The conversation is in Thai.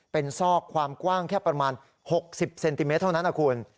เป็นซอกความกว้างแค่ประมาณ๖๐เซนติเมตรเท่านั้นนะคุณ